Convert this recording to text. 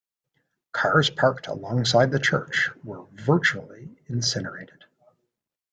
Cars parked alongside the church were virtually incinerated.